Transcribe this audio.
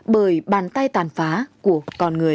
bởi bàn tay tàn phá của con người